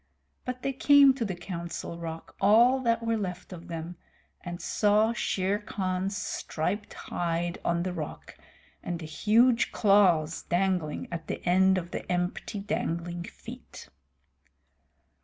But they came to the Council Rock, all that were left of them, and saw Shere Khan's striped hide on the rock, and the huge claws dangling at the end of the empty dangling feet.